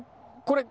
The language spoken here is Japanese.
これ。